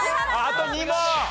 あと２問！